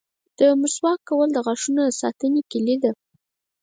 • د مسواک کول د غاښونو د ساتنې کلي ده.